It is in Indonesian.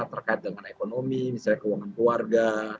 terkait dengan ekonomi misalnya keuangan keluarga